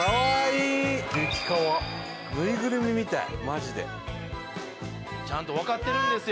ぬいぐるみみたいマジでちゃんと分かってるんですよ